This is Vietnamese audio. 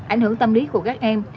ảnh hưởng tâm lý của các em